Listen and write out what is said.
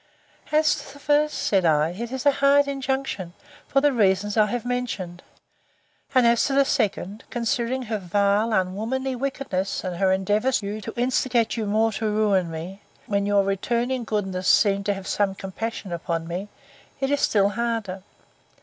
As to the first, sir, said I, it is a hard injunction, for the reasons I have mentioned. And as to the second, considering her vile, unwomanly wickedness, and her endeavours to instigate you more to ruin me, when your returning goodness seemed to have some compassion upon me, it is still harder.